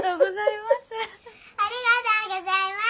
ありがとうございます。